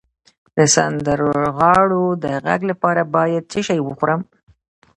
د سندرغاړو د غږ لپاره باید څه شی وخورم؟